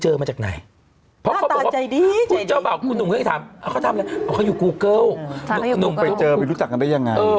เอาที่จะแบ่งมาบ้าง